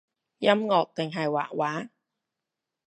音樂定係畫畫？